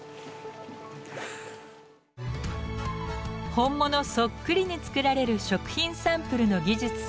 本物そっくりに作られる食品サンプルの技術。